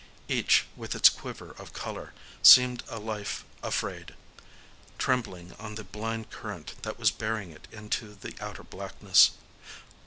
Each, with its quiver of color, seemed a life afraid,—trembling on the blind current that was bearing it into the outer blackness….